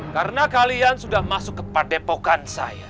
karena kalian sudah masuk ke padepokan saya